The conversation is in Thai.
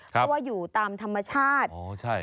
เพราะว่าอยู่ตามธรรมชาติ